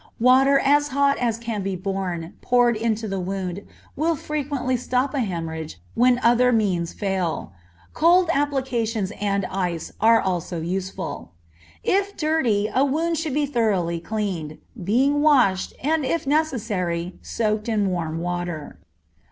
Water as hot as can be borne poured into the wound will frequently stop a hemorrhage when other means fail; cold applications and ice are also useful. If dirty, a wound should be thoroughly cleaned, being washed, and, if necessary, soaked in warm water.